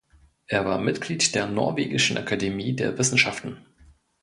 Er war Mitglied der Norwegischen Akademie der Wissenschaften.